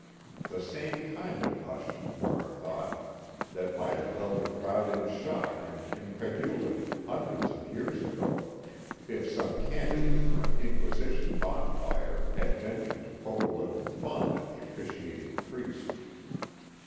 The same kind of hush, Warner thought, that might have held the crowd in shock and incredulity, hundreds of years ago, if some candidate for an Inquisition bonfire had ventured to poke a little fun at the officiating priest.